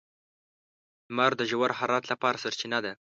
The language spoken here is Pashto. • لمر د ژور حرارت لپاره سرچینه ده.